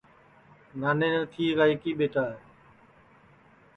نانے نتھیے کا ایکی ٻیٹا ہے